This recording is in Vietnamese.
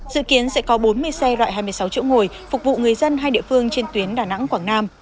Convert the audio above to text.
dự kiến sẽ có bốn mươi xe loại hai mươi sáu chỗ ngồi phục vụ người dân hai địa phương trên tuyến đà nẵng quảng nam